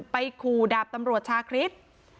ไปขู่ดาบตำรวจชาคริส